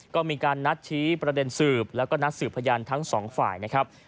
ก็มีการนัดชี้ประเด็นสืบแล้วก็นัดสืบพยานทั้งสองฝ่ายนะครับ